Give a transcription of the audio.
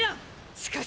しかし！